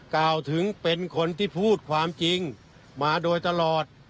กล่าวถึงเป็นคนที่พูดความจริงมาโดยตลอด